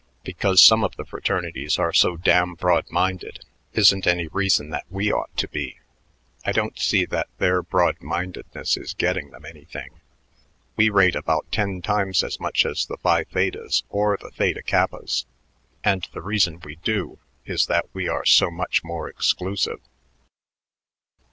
Because some of the fraternities are so damn broad minded isn't any reason that we ought to be. I don't see that their broad mindedness is getting them anything. We rate about ten times as much as the Phi Thetas or the Theta Kappas, and the reason we do is that we are so much more exclusive."